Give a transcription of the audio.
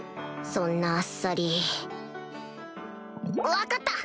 そんなあっさり分かった！